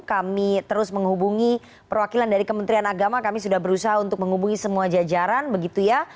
kami terus menghubungi perwakilan dari kementerian agama kami sudah berusaha untuk menghubungi semua jajaran begitu ya